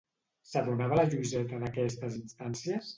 S'adonava la Lluïseta d'aquestes instàncies?